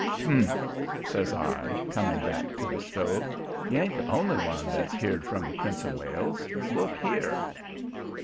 "Humph!" says I, coming back to the stove; "you ain't the only one that's heard from the Prince of Wales. Look here!"